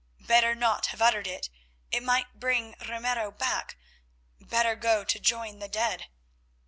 Better not have uttered it, it might bring Ramiro back; better go to join the dead.